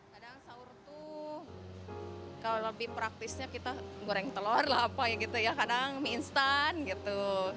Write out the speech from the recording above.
kadang sahur tuh kalau lebih praktisnya kita goreng telur lah apa gitu ya kadang mie instan gitu